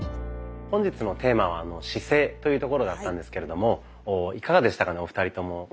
本日のテーマは「姿勢」というところだったんですけれどもいかがでしたかねお二人とも。